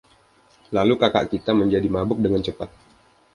Lalu kakak kita menjadi mabuk dengan cepat.